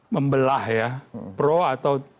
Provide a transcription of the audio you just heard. membelah ya pro atau